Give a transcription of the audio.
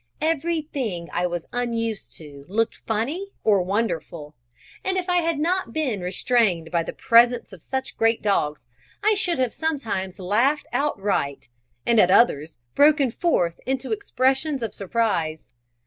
Every thing I was unused to looked funny or wonderful; and if I had not been restrained by the presence of such great dogs, I should have sometimes laughed outright, and at others broken forth into expressions of surprise.